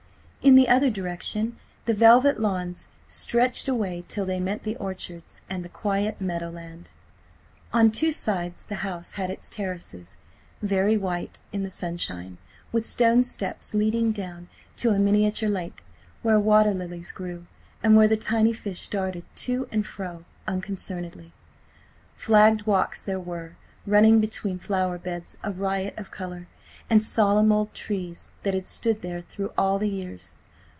In the other direction, the velvet lawns stretched away till they met the orchards and the quiet meadowland. On two sides the house had its terraces, very white in the sunshine, with stone steps leading down to a miniature lake where water lilies grew, and where the tiny fish darted to and fro unconcernedly. Flagged walks there were, running between flower beds a riot of colour, and solemn old trees that had stood there through all the years.